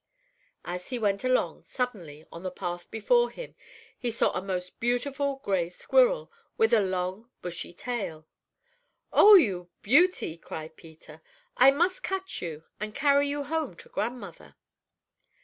"As he went along, suddenly, on the path before him, he saw a most beautiful gray squirrel, with a long bushy tail. "'Oh, you beauty!' cried Peter. 'I must catch you and carry you home to grandmother.'